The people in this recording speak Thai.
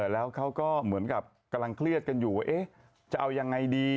แล้วเขาก็เหมือนกับกำลังเครียดกันอยู่ว่าจะเอายังไงดี